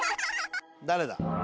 誰だ？